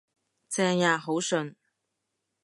正呀，好順